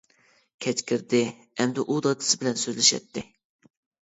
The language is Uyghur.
كەچ كىردى، ئەمدى ئۇ دادىسى بىلەن سۆزلىشەتتى.